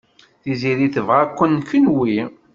Tiziri tebɣa-ken kenwi.